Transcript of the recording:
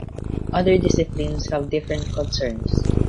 Other disciplines have different concerns.